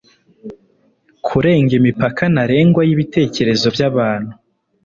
Kurenga imipaka ntarengwa yibitekerezo byabantu.